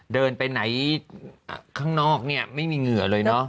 เดินไปไหนข้างนอกเนี่ยไม่มีเหงื่อเลยเนอะ